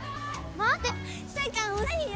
待ってよ。